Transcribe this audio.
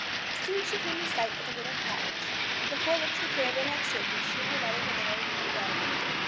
Soon she came in sight of the little cottage, before which the caravan had stood when she and her mother were there a year ago.